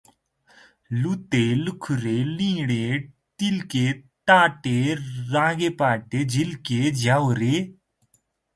लुते, लुखुरे, लिँडे, तिल्के, टाटे, रागेपाटे, झिल्के, झ्याउरे